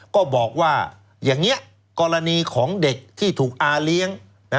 ก็บอกว่าอย่างนี้กรณีของเด็กที่ถูกอาเลี้ยง